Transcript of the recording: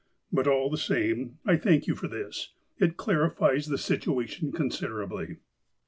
But, all the same, I thank you for this. It clarifies the situation considerably."